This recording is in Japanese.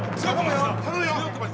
頼むよ！